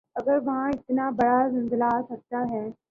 اگر وہاں اتنا بڑا زلزلہ آ سکتا ہے۔